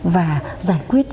và giải quyết